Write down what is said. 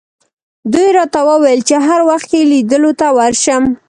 دوی راته وویل چې هر وخت یې لیدلو ته ورشم.